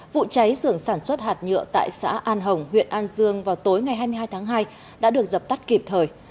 vụ cháy sưởng sản xuất hạt nhựa tại xã an hồng huyện an dương vào tối ngày hai mươi hai tháng hai đã được dập tắt kịp thời